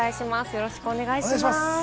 よろしくお願いします。